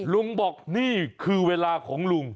ลุงบอกนี่คือเวลาของลุง